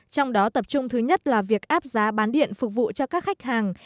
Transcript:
trong đó tập trung thứ nhất là việc áp giá bán điện phục vụ cho các khách hàng